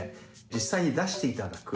実際に出していただく。